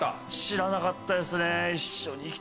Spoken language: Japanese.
知らなかったですね。